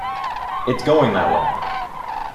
It's going that way.